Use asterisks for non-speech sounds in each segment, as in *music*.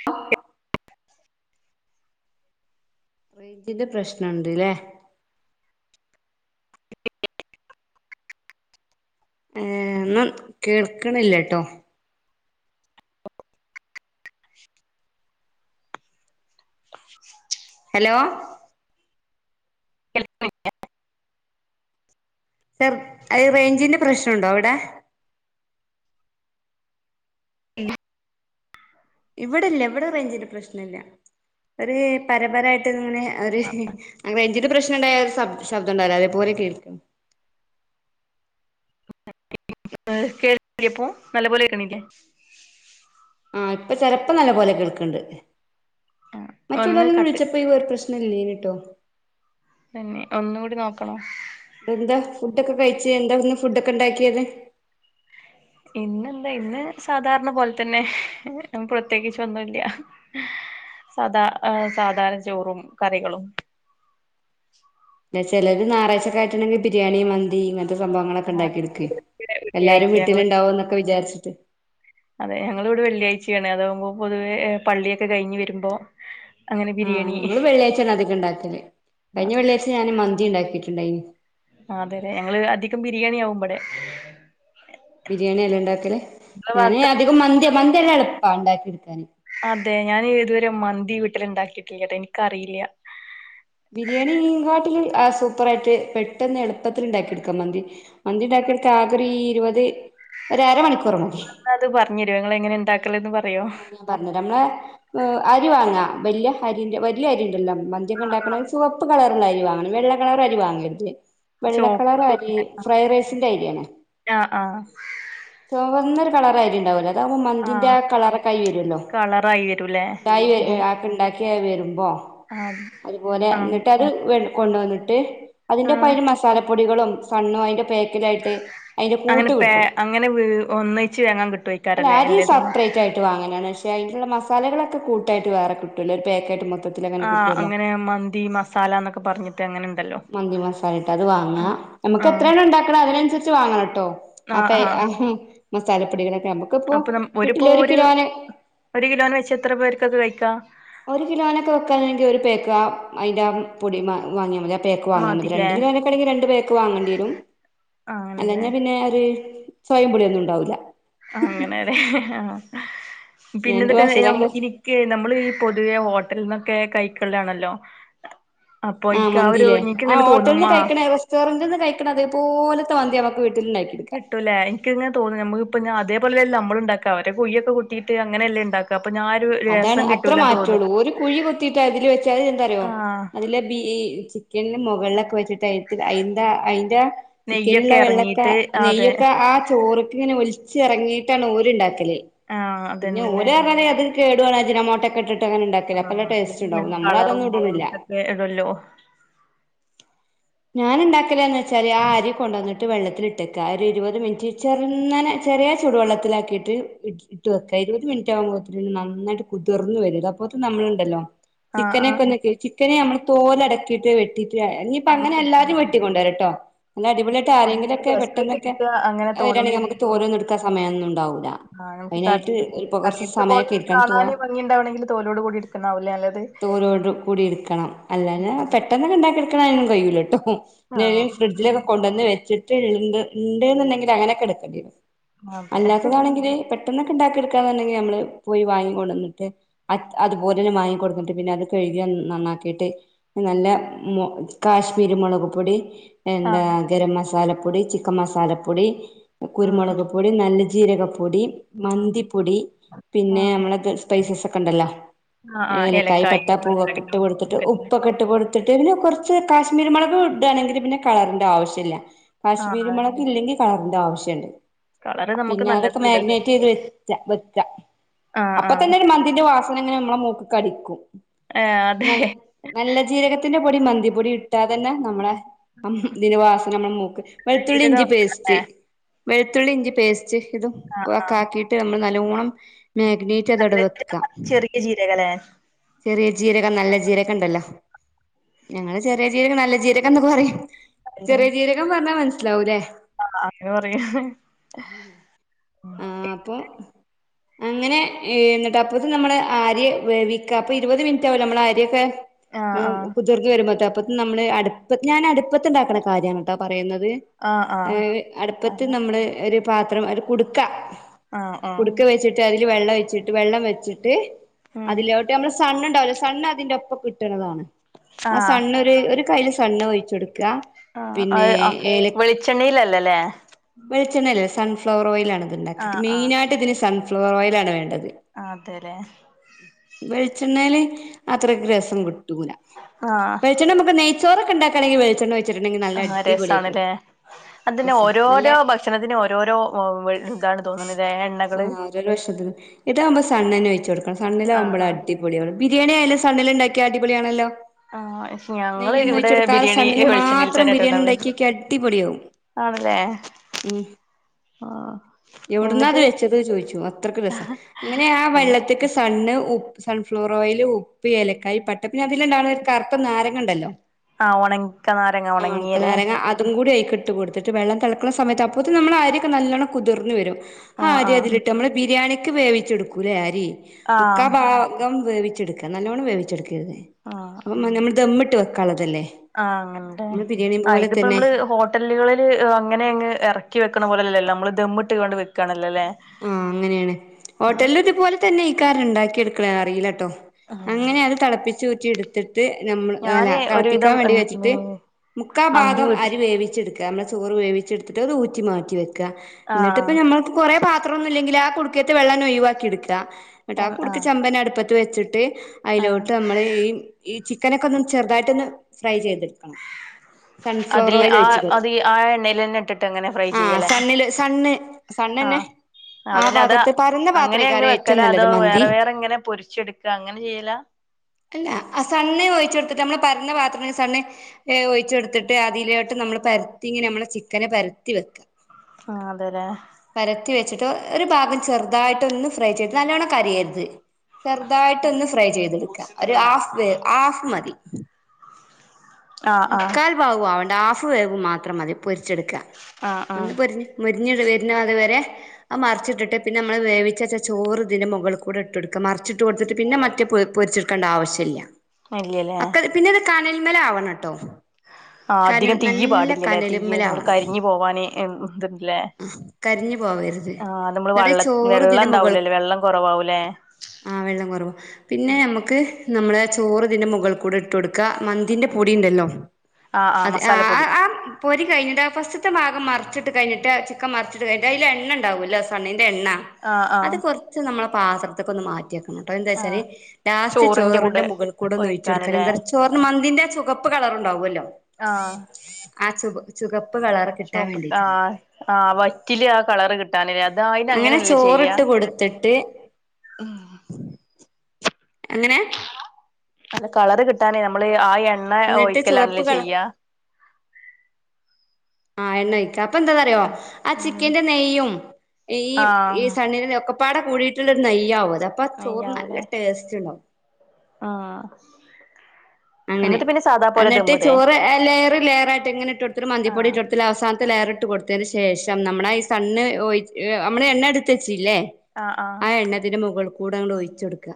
ആഹ് റേഞ്ചിന്റെ പ്രശ്നംണ്ട്ല്ലേ ഏഹ് ഒന്നും കേൾക്ക്‌ണില്ലട്ടോ ഹലോ *unintelligible* റേഞ്ചിന്റെ പ്രശ്നംണ്ടോ അവിടെ ഇല്ല ഇവിടെല്ല ഇവിടെ റേഞ്ചിന്റെ പ്രശ്ന ഇല്ല ഒരു പരപരായിട്ട് ഇങ്ങനെ റേഞ്ചിന്റെ പ്രശ്നം ഉണ്ടായ ഒരു ശബ്ദം ഉണ്ടാവില്ലോ അതേപോലെ കേൾക്കും കേൾക്കില്ലേപ്പോ നല്ല പോലെ കേക്ക്‌ ണില്ലേ ആഹ് ഇപ്പൊ ചെലപ്പോ നല്ല പോലെ കേൾക്ക്‌ണ് ണ്ട് ആ ഒന്ന് മറ്റുള്ളവര് കട്ട് വിളിച്ചപ്പോ അപ്പ ഈ ഒരു പ്രശ്നമില്ലേനിട്ടോ തന്നെ ഒന്ന് കൂടി നോക്കണോ എന്താ ഫുഡ് ഒക്കെ കഴിച്ചു എന്താ ഇന്ന് ഫുഡ്ക്കെ ഉണ്ടാക്കിയത് ഇന്നെന്താ ഇന്ന് സാധാരണ പോലെ തന്നെ പ്രത്യേകിച്ച് ഒന്നുല്ല സദാ സാധാരണ ചോറും കറികളും ചിലര് ഞറാഴ്ച്ച ആയിട്ടുണ്ടെങ്കിൽ ബിരിയാണി മന്തി ഇങ്ങനെത്തെ സംഭവങ്ങളൊക്കെ ഉണ്ടാക്കി എടുക്കും. എല്ലാരും വെള്ളിയാഴ്ച ഞങ്ങള് വീട്ടിലുണ്ടാവും എന്നൊക്കെ വിചാരിച്ചിട്ട് അതെ ഞങ്ങൾ ഇവിടെ വെള്ളിയാഴ്ചയാണ് അതാവുമ്പോ പൊതുവേ പള്ളിയൊക്കെ കഴിഞ്ഞ് വരുമ്പോ അങ്ങനെ ആഹ് ബിരിയാണി ഞങ്ങള് വെള്ളിയാഴ്ചാണ് അതികണ്ടാക്കല് ആ കഴിഞ്ഞ വെള്ളിയാഴ്ച ഞാന് മന്തി ഉണ്ടാക്കിയിട്ടുണ്ടായിന് ആഹ് അതെ ല്ലെ ഞങ്ങള് അധികം ബിരിയാണി ആവുമ്പടെ ബിരിയാണിയാലെ ഇണ്ടാകൽ നിങ്ങളെ ഞാന് ഭാഗത്ത് അധികം മന്തി മന്തി നല്ല എളുപ്പാ ഉണ്ടാക്കി എടുക്കാന്. അതെ ഞാൻ ഇതുവരെ മന്തി വീട്ടിൽ ഉണ്ടാക്കിയിട്ടില്ലേ കേട്ടോ എനിക്കറിയില്ല ബിരിയാണി കാട്ടിൽ സൂപ്പറായിട്ട് പെട്ടെന്ന് എളുപ്പത്തിൽ ഉണ്ടാക്കി എടുക്കാൻ മന്തി മന്തി ഉണ്ടാക്കാൻ ഇൻക്ക് ആകോരു ഇരുപത് ഒരരമണിക്കൂർ മതി ന്നാ അത് പറഞ്ഞ തരൊ ങ്ങെളെ ങ്ങനെ ഉണ്ടാക്കല് ന്ന് പറഞ്ഞു പറയോ ആഹ് ഞാൻ പറഞ്ഞരാ നമ്മെള് അരി വാങ്ങ വലിയ അരി വലിയ അരി ഉണ്ടല്ലോ മന്തിയൊക്കെ ഉണ്ടാക്കണ ചുവപ്പ് കളറുള്ള അരി വാങ്ങണം വെള്ള കളർ അരി വാങ്ങരുത് ചോ വെള്ളക്കളർ അരി ആ ഫ്രൈഡ് റൈസിന്റെ അരിയാണേ ആഹ് ആഹ് ചുവന്നൊരു കളറ അരിയുണ്ടാവുലെ അതാവകുമ്പോ മന്തിന്റെ ആഹ് ആ കളറൊക്കെയി വരുല്ലോ കളറായി വരൂല്ലേ ഉണ്ടായി ബു ആക്കി ഉണ്ടാക്കിയ വരുമ്പോ ആഹ് അതുപോലെ ആഹ് എന്നിട്ട് അത് വെളു കൊണ്ട് വന്നിട്ട് അതിന്ടൊപ്പം ആഹ് അയ്‌ന്റെ മസാലപൊടികളും സണ്ണും അയ്‌ന്റെ പേക്ക റ്റായിട്ട് അതിന്റെ അങ്ങനെ കൂട്ട് പേ കിട്ടും അങ്ങനെ വ് ഒന്നിച്ച് വാങ്ങാൻ അല്ല കിട്ടുവായിക്കാരല്ലേ ആദ്യം എല്ലതും സപ്രൈറ്റ് ആയിട്ട് വാങ്ങലാണ് പക്ഷെ അതിനുള്ള മസാലകളൊക്കെ കൂട്ട് ആയിട്ട് വേറെ കിട്ടുല്ലെ ഒരു പേക്കറ്റ്മ്മക്ക് മൊത്തത്തിലങ്ങനെ ആഹ് കിട്ടുവല്ലോ അങ്ങനെ മന്തി മസാല എന്നൊക്കെ പറഞ്ഞിട്ട് അങ്ങനെ ഉണ്ടല്ലോ മന്തി മസാലായിട്ട് അത് വാങ്ങാ ആഹ് നമുക്ക് എത്ര ആഹ് എണ്ണം ഉണ്ടാക്കണം അതിനനുസരിച്ച് വാങ്ങണംട്ടോ ആഹ് ആപ്പ എഹ് ആഹ് അഹ് മസാലപ്പൊടികളോക്കെ നമുക്കിപ്പോ കി ഇപ്പൊ ഒരു ഒരു കിലോന് വെച്ച എത്ര പേർക്കതു വെക്കാ ഒരു കിലോനൊക്കെ വെക്കാനെങ്കിൽ ഒരു പേക്ക് ആ അയിന്റെ പൊടി വാങ്ങിയാ മതി പേക്ക് വാങ്ങിയ മതി മതില്ലേ രണ്ട് കിലോക്കെണെൽ രണ്ട പേക്ക് വാങ്ങേി വരും അങ്ങനല്ലേ അല്ലാഞ്ഞ പിന്നൊരു ചോയെം പുളിം ഒന്നുണ്ടാവൂല അങ്ങനെയാണ് ആഹ് പിന്നെ എന്റെ എന്നിട്ട് ഭാഷയിൽ അങ്ങനെ *unintelligible* ഇനി ക്ക് നമ്മൾ ഈ പൊതുവെ ഹോട്ടലന്നൊക്കെ കൈക്കാലണല്ലോ ആഹ് മന്തില്ലേ ആ ഹോട്ടല തോന്നും നിന്ന് ആ കഴിക്കണേ റെസ്റ്റോറന്റിൽ നിന്ന് കഴിക്കണ അതേപോലത്തെ മന്തി നമ്മക്ക് വീട്ടിലുണ്ടാക്കാം ജ യൂല എനിക്കങ്ങനെ തോന്നുന്നു ഞമ്മളിപ്പോ അതേപലെല്ല നമ്മള ഉണ്ടാക്കുക അവ കുയൊക്കെ കുത്തീട്ട് അങ്ങനെല്ല ഉണ്ടാക്കുക അപ്പൊ ഞാൻ,, ഒരു അതാണ് രസം അത്ര കിട്ടൂല തോന്നും മാറ്റുള്ളൂ ഒരു കുഴി കൊത്തിട്ട് അതില് വെച്ചാത് എന്താറിയോ ആഹ് അതില ബി,, പിന്നെ മുകളിലൊക്കെ വച്ചട്ട് അയ്ത് അയ്‌ന്റെ അയ്‌ന്റെ ചിക്കനുള്ള നെയ്യൊക്കെ വെള്ളൊക്കെ ഇറങ്ങിട്ട് അതെ നെയ്യൊക്കെ ആ ചോറൊക്കെ ഇങ്ങനെ ഒലിച്ച ച്ചിറങ്ങിയിട്ടാണ് ഓല ഉണ്ടാക്കല് ആഹ് പിന്നെ അതന്നെല്ലേ ഓലാകാൻ അത് കേടുവന്നാ അജനാ മോട്ടക്കെ ഇട്ടിട്ട് അങ്ങനെ ഉണ്ടാക്കല് അപ്പൊ നല്ല ടെസ്റ്റ്‌ ണ്ടാവും നമ്മള അതൊന്നും ഇടുന്നില്ല വേ ഇടല്ലോ ഞാൻ ണ്ടാക്കൽച്ചാല് ആ അരി കൊണ്ടന്നട്ട് വെള്ളത്തിലി മുറ്റക്കാ ഒരു ഇരുപത് മിനിറ്റ് ചെറുങ്ങനെ ചെറിയ ചൂടുവെള്ളത്തിലാക്കിയിട്ട് ഇട്ട് വെക്കാ ഇരുപത് മിനിറ്റകുമ്പത്തിന് നന്നായ്ട്ട് കുതിർന്ന് വരും അപ്പോത്തിന് നമ്മൾ ണ്ടല്ലോ ആഹ് ആഹ് ചിക്കനെക്കെ വന്നിട്ട് ചിക്കനെ നമ്മള് തോലടക്കിയിട്ട് വെട്ടിട്ട,, ഇപ്പ അങ്ങനെ അല്ലാതിം വെട്ടി കൊണ്ടര ട്ടോ അല്ല അടിപൊളിയായിട്ട് ഒന്നുകൂടി ആരെങ്കിലൊക്കെ രസായിട്ട് പെട്ടെന്നൊക്കെ കിട്ട അങ്ങനെ തോലോട് വരാണെങ്കിൽ കൂടി നമുക്ക് എടുക്കണം തോരോന്നും എടുക്കാ സമയമൊന്നും ഉണ്ടാവൂില്ല ആഹ് നമുക്ക് കടയിലത്തെ പോല ഇരിക്കണം തോ കാണാനൻ ഭംഗിുണ്ടാവണമെങ്കിൽ തോലോട് കൂടിയെ ടുക്കണാവല്ലേ നല്ലത് തോലോടു കൂടി എടുക്കണം അല്ലാഞാ പെട്ടെന്നൊക്കെ ഉ ണ്ടാക്കിെടുക്കണാലും കഴയിൂല്ലോ ട്ടോ പിന്നും ആഹ് ഫ്രിഡ്ജിലൊക്കെ,, കൊണ്ടുവന്ന് വെച്ചിട്ട് ണ്ട് ന്ന്ണ്ടെങ്കിൽ അങ്ങനൊക്കെ എടുക്കേണ്ടി വരും അതെ അല്ലാത്തതാണെങ്കിൽ പെട്ട് പെട്ടെന്നൊക്കെ ഉണ്ടാക്കിെടുക്കാന്നുണ്ടെങ്കിൽ നമ്മള് പോയി വാങ്ങി കൊണ്ടന്നിട്ട് അറ്റ് അത്പോലെന്നെ വാങ്ങി കൊണ്ടന്നിട്ട് പിന്നെ അത് കഴ്കി നന്നാക്കിട്ട് നല്ല മൊ കാശ്മീരി മൊളക്പൊടി എന്താ ആഹ് ഗരംമസാലപ്പൊടി ചിക്കൻമസാലപ്പൊടി ആഹ് കുരുമൊളക്പൊടി നല്ലജീരകപ്പൊടി മന്തിപ്പൊടി പിന്നെ ആഹ് നമ്മളെ ക് സ്പൈസസൊക്കെണ്ടല്ലോ ആഹ് ആഹ് ഏലക്കായ ഏലക്കായി മത്തകം പട്ടപ്പൂവൊക്കെട്ട് കൊട്ത്തിട്ട് ഇതൊക്കെ തന്നെ ഉപ്പൊക്കെ ഇട്ട് കൊട്ത്തിട്ട് പിന്നെ കൊറച്ച് കാശ്മീരിമൊളക് ഇട്വാണെങ്കില് പിന്നെ കളറിന്റെആവശ്യല്ല. ആഹ് കാശ്മീരിമൊളകില്ലെങ്കി കളറിന്റെ ആവശ്യണ്ട്. കളറ് നമുക്ക് പിന്നെ അതൊക്കെ നല്ലതല്ലല്ലോ മാഗ്നേറ്റ് ചെയ്ത് വെക്ക വെക്ക ആഹ് അപ്പൊ ആഹ് തന്നെ ഒര് മന്തിന്റെ വാസ അപ്പത്തന്നെ നമ്മളെ മുക്കിക്കടിക്കും ഏഹ് അതെ നല്ല നല്ലജീരക ത്തിന്റെ പൊടി മന്തിപ്പൊടി ഇട്ടാതന്നെ നമ്മളെ ഇ തിന്റെവാസന നമ്മളെ മൂക്ക് വെൾത്തുള്ളി ജീരകം ഇഞ്ചിപേസ്റ്റ് അല്ലേ വെളുത്തുള്ളി ഇഞ്ചി പേസ്റ്റ് ഇതും ആഹ് ആഹ് ഒക്കെക്കാക്കിട്ട് നമ്മള് നല്ലോണം മാഗ്നേറ്റ് നല്ല അതടവെക്കാ ജീരകം ചെറിയ ജീരകല്ലേ ചെറിയ ജീരകം നല്ല ജീരകണ്ടല്ലോ ഞങ്ങള് ചെറിയ ജീരകം നല്ല ജീരകംന്ന് പറയും. അതെ ചെറിയ ജീരകം പറഞ്ഞാ മനസിലാവൂലേ? ആഹ് അങ്ങനെ പറയാ ആഹ് അപ്പൊ അങ്ങനെ ഏഹ് എന്നിട്ട് അപ്പോത്തിന് നമ്മള് അരി വേവിക്ക അപ്പ ഇരുവത് മിൻറ്റാവൊല്ലോ നമ്മള് അരിയൊക്കെ ആഹ് ആഹ് കുതിർന്ന് വരും ന്നട്ടപ്പോത്തിന് നമ്മള് അട്പ്പത്ത് ഞാന് അട്പ്പത്ത് ഇണ്ടാക്ക്ണ കാര്യാണ്ട്ടോ പറയുന്നത് ആഹ് ആഹ് അതായത് അട്പ്പത്ത് ആഹ് നമ്മ്ള് ഒര് പാത്രം ഒര് കുട്ക്ക ആഹ് ആഹ് കുട്ക്കവെച്ചിട്ട് അതില് വെള്ളംഒഴിച്ചിട്ട് വെള്ളം വെച്ചിട്ട് ഉം അതിലോട്ട് നമ്മള് സണ്ണ് ഇണ്ടാവുലേ സണ്ണ് അതിന്റൊപ്പ കിട്ട്ണതാണ് ആ ആഹ് സണ്ണ് ഒര് ഒര് കയ്ല് സണ്ണ് ഒഴിച്ചൊട്ക്കാ ആഹ് അഹ് ആഹ് വെളിച്ചെണ്ണീലല്ലലേ വെൾച്ചെണ്ണേലല്ല സൺഫ്ലവർഓയിൽലാണ് ഇത് ഇണ്ടാക്ക ആഹ് ആഹ് മെയ്നായ്ട്ട് ഇതിന് സൺഫ്ലവർ ഓയിലാണ് വേണ്ടത് ആഹ് അതെല്ലേ ഉം വെൾച്ചെണ്ണേല് അത്രക്ക്‌ രസം ക്ക്ട്ടൂല ആഹ് വെൾച്ചെണ്ണ ഞമ്മക്ക് നെയ്‌ച്ചോറൊക്കെ ഇണ്ടാക്കാണെങ്കി വെൾച്ചെണ്ണ ഒഴി ആഹ് രസാണ്ലേ അതിന് രസാ നല്ല ഓരോരോ ഭഷണത്തിന് ഓരോരോ ഒ വെൾ ആഹ് ഓരോരോ ഭഷണത്തിനും ഇതാവുമ്പൊ സണ്ണെന്നെ ഒഴിച്ച് കൊട്ക്കണം ആഹ് സണ്ണിലാവുമ്പളാ ആഹ് അടി പൊളി ആണ് ബിരിയാണി ആയാലും സണ്ണ്ല് ഇണ്ടാക്കിയാ അടിപൊളിയാണല്ലോ ആഹ് പക്ഷെ ഞങ്ങള് നെയ്യൊന്നും ഇവ്ടെ ഒഴിച്ച് കൊടുക്കാതെ ബിരിയാണി ഈ സണ്ണില് വെൾച്ചെണ്ണയിൽ മാത്രം തന്നെട്ടോ ബിരിയാണി ഇണ്ടാവാറ് ഇണ്ടാക്കിയോക്കിയാ അടിപൊളിയാവും ആണ്ല്ലേ ആഹ് എവ്ട്ന്നാ ഇത്‌ എന്നിട്ട് വെച്ചത് ചോയ്ച്ചും അത്രക്കും രസാ അങ്ങനെ ആ വെള്ളത്തിക്ക് സ് സണ്ണ് ഉ സൺഫ്ലവറോയില് ഉപ്പ് ഏലക്കായി പട്ട പിന്നെ അതില്ണ്ടാവ്ണ ഒര് കർത്ത നാരങ്ങണ്ടല്ലോ ആഹ് ഒണക്ക നാരങ്ങ ആഹ് ഒണക്ക ഒണങ്ങിയല്ലേ നാരങ്ങ അതുംകൂടി അയ്ക്ക്ട്ട് കൊട് ത്തിട്ട് വെള്ളം തെളക്ക്‌ണ സമയത്ത് അപ്പോത്തിന് നമ്മളെ അരിഒക്കെ നല്ലോണംകുതിർന്ന് വെരും ആ ആഹ് അരി ആഹ് അതിലി ട്ട് അമ്മള് ബിരിയാണിക്ക് വേവിച്ചെട്ക്കൂലേ അരി ആഹ് മുക്കാഭാഗം വേവിച്ചെട്ക്ക്‌ ക്ക നല്ലോണം വേവിച്ചെട്ക്കെര്ത് ആഹ് അപ്പം മ്മ ഞമ്മള് ദമ്മ്ട്ട് വെക്കാള്ളതല്ലേ ആഹ് അങ്ങൻടെ ആഹ് ഇതിപ്പ നമ്മള് ഹോ ട്ടല്കളില് അങ്ങനെ അങ്ങ് എറക്കിവെക്ക്ണപോലെ അല്ലല്ലോ അമ്മള് ദമ്മ്ട്ട്കാണ്ട് വെക്കാണല്ലോലേ ആഹ് അങ്ങനേണ് ഹോട്ടൽല് ഇത്പോലെതന്നെയ്ക്കാരം ഇണ്ടാക്കി എട്ക്ക്ണേ ‌ അറീലട്ടോ ആ അങ്ങനെ അത് തെളപ്പിച്ച് ഊറ്റി ഇട്ത്ത് ട്ട് ഞമ്മള് അല്ല ഞാന് തെളപ്പിക്കാൻ ഒരുവിധം വേണ്ടി ഉം വെച്ചിട്ട് ഉം മന്തി മുക്കാഭാഗം വീട്ടിൽ അരി വേവിച്ചെട് ക്ക അമ്മളെ ചോറ് വേവിച്ചെട്ത്തിട്ട് അത് ഊറ്റി മാറ്റി വെക്ക ആഹ് ന്നട്ട്പ്പ ഞമ്മക്ക്‌ കൊറേ പാ ത്രൊന്നുല്ലെങ്കില് ആ കുട്ക്കേത്തെ വെള്ളങ്ങ് ഒഴിവാക്കി എട്ക്ക ന്ന്ട്ടാ ആ ആഹ് കുട്ക്ക ആഹ് ചെമ്പന്നെ അട്പ്പത്ത് വെച്ച്ട്ട് ആഹ് അയ്ലോട്ട് അമ്മള് ഈ ഈ ചിക്കനൊക്കൊന്ന് ചെർതായിട്ടൊന്ന് ഫ്രൈ ചെയ്തെട്ക്കണം. അതില് ആ അത് ഈ ആ എണ്ണേയ്ലെന്നെ ഇട്ടിട്ട് അങ്ങനെ ഫ്രൈ ആഹ് ചെയ്യലേ സണ്ണില് സണ്ണ് സണ്ണെന്നെ ആഹ്. ആഹ് ആ അത് പിന്നെ അതാ പാത്രത്ത് പരന്ന അങ്ങനെ അങ്ങ് പാത്രേക്കാരം ഏറ്റവും വെക്കലാ അതോ നല്ലത് മന്തി വേറെ വേറെ ഇങ്ങനെ പൊരിച്ചെട്ക്ക അങ്ങനെ ചെയ്യലാ അല്ല ആ സണ്ണ് ഒഴിച്ചൊട്ത്തിട്ട് നമ്മള് പരന്ന പാത്രത്രില് സണ്ണ് ഏഹ് അഹ് ഒഴിച്ചൊട്ത്തിട്ട് അതിലോട്ട് നമ്മള് പരത്തി ഇങ്ങനെ നമ്മളെ ചിക്കനെ പരത്തി വെക്ക. ആഹ് അതെല്ലേ പരത്തി വെച്ച്ട്ട് ഒരു ഭാഗം ചെർതായിട്ട് ഒന്ന് ഫ്രൈ ചെയ്ത് നല്ലോണം കരിയരുത് ചെർതായിട്ടൊന്ന് ഫ്രൈ ചെയ്ത് ഇട്ക്ക ഒരു ഹാഫ് വേ ഹാഫ് മതി. ആഹ് ആഹ് മുക്കാൽ ഭാഗും ആവണ്ട ഹാഫ് വേവ് മാത്രം മതി പൊര്ച്ചെട്ക്ക ആഹ് ആഹ് ഒന്ന് പൊരിഞ്ഞ് മുരിഞ്ണ്ട് വെര്നം അത്‌വരെ അഹ് മർച്ച്ട്ട്ട്ട് പിന്നെ നമ്മള് വേവിച്ചെച്ച ചോറ് ഇതിന്റെ മൊകള് കൂടെ ഇട്ട്ടുക്ക മറിച്ചിട്ട് കൊടുത്തിട്ട് പിന്നെ മറ്റേ പൊരിച്ചെടുക്കണ്ട ആവശ്യല്ല ഇല്ലല്ലേ? പിന്നെത് കനൽമലവണംട്ടോ. ആഹ് അധികം തീ പാടില്ലല്ലേ തീ കനലുമ്മൽ നമ്മള് ആവണം കരിഞ്ഞു പോവാന ത് ലെ കരിഞ്ഞു പോവരുത് ആ നമ്മള് എന്നിട്ട് വള്ള ചോറ് വെള്ളം ഇതിന്റെ മുകൾ ഉണ്ടാവൂലല്ലേ വെള്ളം കുറവാവൂലേ? ആ വെള്ളം കുറവ് പിന്നെ ആഹ് നമുക്ക് നമ്മുടെ ചോറ് ഇതിന്റെ മുകൾ കൂടെ ടുക്ക മന്തിന്റെ പൊടിണ്ടല്ലോ ആഹ് ആഹ് അത് ആ മസാലപ്പൊടി ആ പൊരി കഴിഞ്ഞിട്ട് ഫസ്റ്റ്ത്തെ ഭാഗം മറി ച്ചിട്ട് കഴിഞ്ഞിട്ട് ചിക്കൻ മറിച്ചട്ട്ഴിഞ അയ്ൽ എണ്ണണ്ടാവുല്ലോ സണ്ണൻ്റെ എണ്ണ ആഹ് അത് ആഹ് കുറച്ച് നമ്മളെ പാത്രത്തേക്കന്ന് മാറ്റിയക്കണം ട്ടോ എന്താച്ചാല്? ആഹ് ലാസ്റ്റ് ചോറിന്റെ മുകളിൽ കൂടെന്ന് ഒഴിച്ടുക്കൻ ഒഴിക്കാന്ല്ലേ എന്താ ചോറിന് മന്തിന്റെ ആ ചുകപ്പ് കളർണ്ടാവല്ലോ? ആഹ് ആ ചു ചുകപ്പ് കളർ. കിട്ടാൻ ചുവപ്പ് ആ വേണ്ടിയിട്ടാണ് ആ വറ്റില് ആ കളറ് കി ട്ടാന അത് അങ്ങനെ അയിനങ്ങനെണല്ലേ ചോറിട്ട് ചെയ്യാഉം കൊടുത്തിട്ട് എങ്ങനെ? അല്ല കളറ് കിട്ടാനേ നമ്മള് ആ എണ്ണ എന്നിട്ട് ചുവപ്പ് ഒഴിക്കലാണല്ലേ കളർ ചെയ്യ? ആഹ് എണ്ണയ്ക്ക അപ്പൊന്താറിയോ ആ ഉം ചിക്കന്റെ നെയ്യും ഈ ഈ ആഹ് സണ്ണിന്റെഒക്കെ പ്പാട കൂടിയിട്ടുള്ള ഒരു നെയ്യ ആവും അത് അപ്പ ചോറ് നല്ല നെയ്യാവൂലേ ടേസ്റ്റ് ഇണ്ടാവും. ആഹ് അങ്ങനെ എന്നിട്ട് പിന്നെ സാദാ പോലെ എന്നിട്ട് ദമ്മിടേ ചോറ് ലെയറ് ലെയർായിട്ട് ഇങ്ങനെട്ട്ടുത്തിരു ആഹ് മന്തിപ്പൊടിട്ടടു അവസാനത്തെ ലെയർ റിട്ട് കൊടുത്തതിന് ശേഷം നമ്മള ഈ സണ്ണ് നമ്മള് എണ്ണ എടുത്തച്ചില്ലേ? ആഹ് ആഹ് അതിന്റെ മുകൾ കൂടെങ്ങണ്ട് ഒഴിച്ചടുക്കുക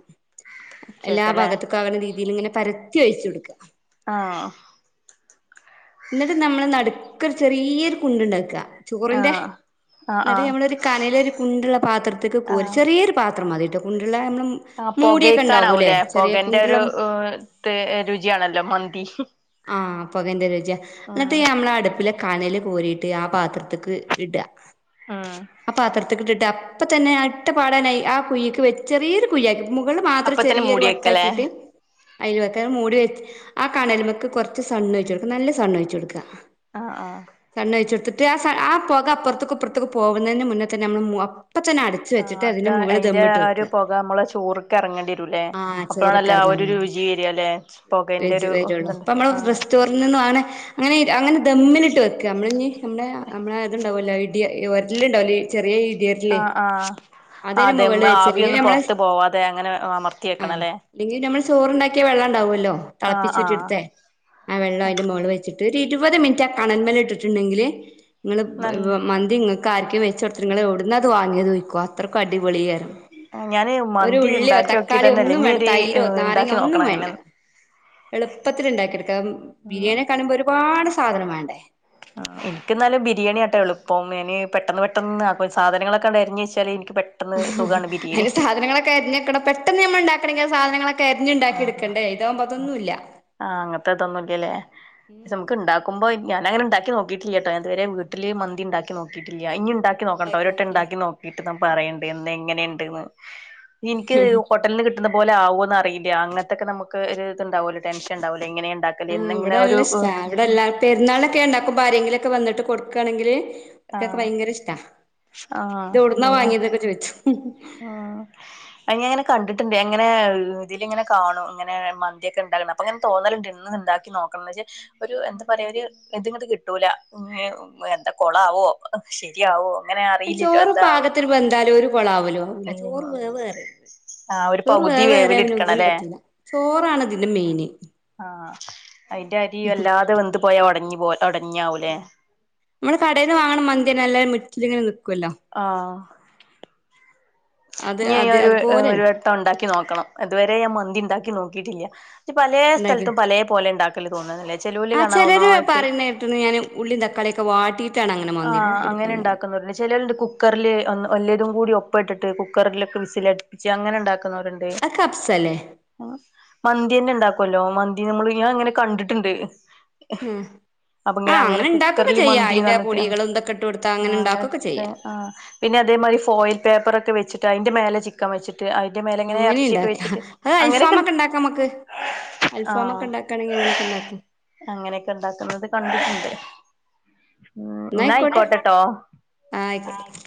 എല്ലാ ഉച്ചക്കല്ലേ ഭാഗത്തുംകണ രീതിയിൽ ഇങ്ങനെ പര തി ഒഴിച്ചോടുക്ക. ആഹ് ന്നിട്ട് നമ്മള് നടുക്കരു ചെറിയൊരു കുണ്ടുണ്ടാക്ക. ചോറിന്റെ ആഹ് ആഹ് ന്നിട്ട് ആഹ് ഞമ്മളൊരു കനലരു കുണ്ടുള്ള പാത്രത്തക്ക് കോര് ആഹ് ചെറിയൊരു പാത്രം മതിട്ട കുണ്ടുള്ള നമ്മള ആ പുകയ്ക്കാനാവൂലേ പുകന്റെ ഒരു കുണ്ടുള്ള രുചിയണല്ലോ മന്തി. ആഹ് പൊകന്റെരുചി ഉം ന്നിട്ട് നമ്മളെ അടുപ്പില കനല് കോരിട്ട് ആ പാത്രത്തക്ക് ഇട. ആഹ് അപത്രത്തികിട്ടിട്ട് അപ്പതന്നെ അ ട്ടപാടാനായി ആ കുയ്ക്ക് വെ ചെറിയൊരു കുയ്യക്കി മുകള് മാത്രം അപ്പത്തന്നെ മൂടി ചെറിയൊരു വെക്കലേ വട്ടാക്കിട്ട് അയ്ൽ വെക്ക മൂടിവെ ആ കണലമക്ക് കുറച്ച് സണ്ണോയച്ചടുക്ക നല്ല സണ്യ്ച്ചുടുക്ക. ആഹ് ആഹ് സണ് ഒഴിച്ചെടുത്തിട്ട് ആ ആ പുക അപ്പുറത്തക്ക്‌ ഇപ്പുറത്തക്ക് പോകുന്നതിന് മുന്നേതന്നെ നമ്മൾ അപ്പതന്നെ അട ആ അത അയ്ന്റെ ആ ഒരു പുക നമ്മള ചോറക്കെ ഇറങ്ങണ്ടിരുല്ലേ ആഹ് അപ്പോഴാണല്ല ചോറൊക്കെ ആ എറങ്ങാൻ ഒരു വേണ്ടി രുചി രി വരല്ലെ പോകന്റരു ഇ ന്നമ്മളെ റെസ്റ്റോറന്റിൽ നിന്നുആണ് അങ്ങെനെ അങ്ങെനെ ദമ്മിലിട്ട് വെക്ക ഞമ്മളെ ഇഞ്ഞി ഞമ്മടെ നമ്മളെ ഇതുണ്ടാവോല്ലോ ഇടി ഒര്ല് ഇണ്ടാവുലെ ചെറിയെ ഇടി ഒര്ല്. ആഹ് ആഹ് ആ അതെയ്ന് മൊകളിൽ ദമ്മ് വെച്ച് അല്ലെങ്കി ആവിയൊന്ന് ഞമ്മള് പൊറത്ത് പോവാതെ അങ്ങനെ അമർത്തി ആഉം വെക്കണല്ലേ അല്ലെങ്കി ഞമ്മൾ ചോറ്ണ്ടാക്കിയ വെള്ളണ്ടാവോലോ ആഹ് തള്പ്പിച് ആഹ് ഊറ്റിഇട്ത്തേ ആ വെള്ളം ആഹ് അയ്ന്റെ മൊളിൽ വെച്ച്ട്ട് ഒര് ഇരുവെത് മിൻറ്റ് ആ കണെൻമെല് ഇട്ട്ട്ടുണ്ടെങ്കില് ഇങ്ങെൾ മന്തി നല്ല വ് മന്തിഇങ്ങക്ക് ആര്ക്കെങ്കിലും വെച്ച് കൊട്ത്ത് ഇങ്ങെൾ ഔട്ന്നാ ഇത് വാങ്ങിത് വാങ്ങിയെത്ന്ന് ചോയ്ക്കും അത്രേക്ക് അടിപൊളിയായിര്ക്കും. ഞാന് ഒര് മന്തി ഉള്ളിയോ ഇണ്ടാക്കി തക്കാളിയൊ നോക്കിട്ടന്നെല്ല ഇനി ഒന്നുംവേണ്ട ഒരു തൈരോ നാരെങ്ങയൊ ഇണ്ടാക്കി ഒന്നും നോക്കണം വേണ്ട. അങ്ങനെയൊന്ന് എളുപ്പത്തില് ഇണ്ടാക്കി എട്ക്കാം ബിരിയാണിയൊക്കെ ക്കാണെ ഒരുപാട് സാധനം വേണ്ടേ. ആഹ് ഇൻക്ക് ഇന്നാലും ബരിയാണിയാട്ടോ എള്പ്പം ഇനി പെട്ടെന്ന്, പെട്ടന്ന് അപ്പൊ സാധനങ്ങളൊക്കണ്ട് അരിഞ് വെച്ചാല് ഇൻക്ക് പെ ട്ടെന്ന് സുഖാണ് ബിരിയാണി അയ്ന് സാധനങ്ങളൊക്കെ അരിഞ് വെക്കണം. പെട്ടെന്ന് ന്നമ്മൾ ഇണ്ടാക്കണെങ്കി സധനങ്ങളൊക്കെ അര്ഞ് ഇണ്ടാക്കി ആഹ് ഇട്ക്കണ്ടെ ഇതാവ്മ്പോ അതൊന്നുല്ല. ആഹ് അങ്ങെൻത്ത ഇതൊന്നുല്ല്യാലെ? സെം ഉം ന്നമുക്ക്ഇണ്ടാക്കുമ്പോ ഞാനങ്ങെനെ നോക്കിട്ടില്ലട്ടോ ഞാൻ ഇതു വെരെ വീട്ടില് മന്തി ഇണ്ടാക്കി നോക്കിട്ടില്ല ഇഞ്ഞി ഇണ്ടാ ക്കിന്നോക്കണംട്ടോ ഉണ്ടാക്കി ഒരെട്ടെ നോക്കി ഇണ്ടാക്കി നോക്കിട്ട് ന്നാ പറയണ്ട് എങ്ങെനെണ്ട്ന്ന് ഇൻക്ക് ഹോട്ട് ട്ടെൽന്ന് കിട്ട്ണെ പോലെ ആവോന്ന് അറീല അങ്ങെൻത്തൊക്കെ ന്നമ്മക്ക് ഒര് ഇത്ണ്ടാവോലോ ട്ടെൻശെൻ ഇണ്ടാവോലോ എങ്ങെനെ ഇണ്ടാക്ക ഉം ഇവടെ ന്നല്ലെ ഇഷ്ട്ടാ ഇവിടെല്ല പെരുന്നാളൊക്കെ ഇണ്ടാക്കുമ്പോ ഭആരെങ്കിലൊക്കെ വെന്നിട്ട് കൊട്ക്കാണെങ്കില് ഓൽക്കൊക്കെ ആഹ് ഭയങ്കെരെ ഇഷ്ട്ടാ ഇത് ഔട്ന്നാ ആഹ് വാങ്ങിയതൊക്കെ ചോയ്ച്ചു. ആഹ് അഹ് ഇങ്ങെനെ കണ്ടിട്ട്ണ്ട് ഇങ്ങെനെ ഇതില് ഇങ്ങെനെ കാണും ഇങ്ങെനെ മന്തിക്കെ ഇണ്ടാക്ക്ണെ. അപ്പങ്ങെനെ തോന്നല്ണ്ട് ഇന്ന് ഇത് ഇണ്ടാക്കി നോക്കണംന്ന് വെച്ച. ഒരു എന്താപറയാ ഒര് ഇത്ങ്ങട്ട് കിട്ടൂല എന്താ കൊളാവോ? ശെരിയാവോ അങ്ങെനെയ ചോറ് പാകത്തിന് വെന്താല് ഒരു കൊളാവലു ആവൂല ചോറ് വേവ് ഏറെര്ത്. ആഹ് ഒരു ചോറ് പകുതി വേവേറിയ വേവില് പിന്നെ ഒന്നിനും എടുക്കണല്ലേ പറ്റുല ചോറാണ്തിന്റെ മെയ്ന്. ആഹ് അയിന്റെ അരി വല്ലാതെ വെന്തു പോയാ ഒടഞ് പോയ ഒടഞ്ഞാവുലെ. മ്മളെ കടേന്ന് വാങ്ണ മന്തിയെന്നെ ന്നല്ലെ മുറ്റ്ലിങ്ങെനെ നിക്കുല്ലോ. ആഹ് അത് ഇഞ്ഞി അയ് അത് ഒരു ഹ് അതുപോലെന്നെ വെ ട്ടം ഇണ്ടാക്കി നോക്കണം ഇതുവെരെ ഞാൻ മന്തി ഇണ്ടാക്കി നോക്കിട്ടില്ല പലേ ഉണ്ടാക്കി സ്ഥല്ത്തും പലേ പോലെ ഇണ്ടാ ക്കല് തോന്ന്ണ്ലെ ചെലോല് കാണാ ഒന്നായ്ട്ട് ട്ട്ണ് ഞാന് ഉള്ളീം തക്കാളിയൊക്കൊവാട്ടി ആഹ് അങ്ങെനെ ഇണ്ടാക്കുന്നെത് ചെലോല്ണ്ട് കുക്കർല് ഒന്ന് ഒല്ലെതും കൂടി ഒപ്പഇട്ടിട്ട് കുക്കറിലൊക്കെ വിസിലടിപ്പിച്ച് അങ്ങെനെ ഇണ്ടാക്കുന്നോര്ണ്ട്. അഹ് കപ്പ്സല്ലെ? മന്തിയെന്നെ ഇണ്ടാക്കുല്ലോ മന്തി ന്നമ്മള് ഞാൻ ഇങ്ങെനെ കണ്ടിട്ടുണ്ട് ആ അപ്പൊ ആ ഇങ്ങെനെ അങ്ങെനെ അങ്ങനെ ഉണ്ടാക്കൊക്കെ കുക്കറില് ചെയ്യാം അതിന്റെ മന്തിന്നർ ഞ്ട്ട് പൊടികളും ഇതൊക്കെ ഇട്ട് കൊടുത്താ അങ്ങനെ ആഹ് ഉണ്ടാക്കൊക്കെ അങ്ങനത്തെ ചെയ്യാം ആഹ് പിന്നെ അതേമാതിരി ഫോയിൽ പേപ്പറൊക്കെ വെച്ചിട്ട് അയ്ന്റെ മേലെ ചിക്കെൻ വെച്ച് റ്റ് അയ്ന്റെ മേലെങ്ങെനെ അങ്ങനെ എർച്ചിയൊക്കെ ഉണ്ടാക്കാ വെച്ചിട്ട് അങ്ങനെയൊക്കെണ് അൽഫാംമൊക്കെ ഇണ്ടാക്കാണെങ്കി അങ്ങെനൊക്കെ ഇണ്ടാക്കും. അങ്ങെനെയൊക്കെ ഇണ്ടാക്കുന്നെത് കണ്ടിട്ടുണ്ട്. ഉം ന്നാ ഇന്നായ്കോട്ടെ ആയിക്കോട്ടെട്ടോ അയ്ക്കോട്ടെ. ആഹ് അയ്ക്കോട്ടെ.